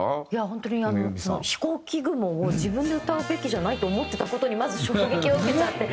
本当に『ひこうき雲』を自分で歌うべきじゃないと思ってた事にまず衝撃を受けちゃって。